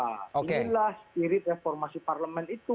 nah inilah spirit reformasi parlemen itu